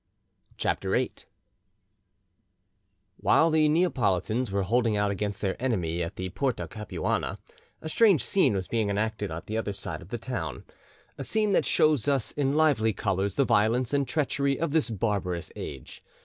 CHAPTER VIII While the Neapolitans were holding out against their enemy at the Porta Capuana, a strange scene was being enacted at the other side of the town, a scene that shows us in lively colours the violence and treachery of this barbarous age.